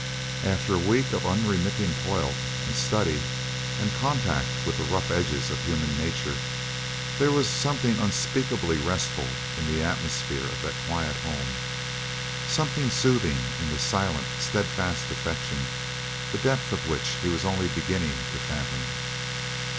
After a week of unremitting toil and study and contact with the rough edges of human nature, there was something unspeakably restful in the atmosphere of that quiet home; something soothing in the silent, steadfast affection, the depth of which he was only beginning to fathom.